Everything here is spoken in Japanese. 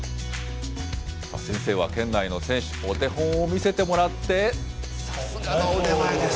先生は、県内の選手。お手本を見せてもらって、さすがの腕前です。